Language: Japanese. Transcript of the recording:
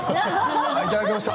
いただきました。